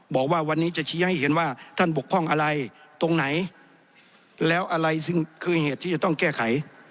บอกว่าวันนี้จะชี้ให้เห็นว่าท่านบกพร่องอะไรตรงไหนแล้วอะไรซึ่งคือเหตุที่จะต้องแก้ไข